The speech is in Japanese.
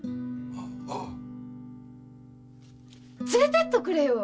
連れてっとくれよ。